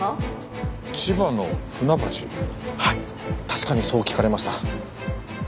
確かにそう聞かれました。